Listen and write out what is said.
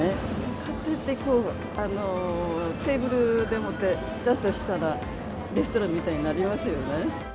買って、こう、テーブルでもって、並べたら、レストランみたいになりますよね。